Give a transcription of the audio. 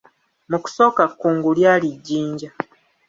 Mu kusooka kkungu lyali Jjinja.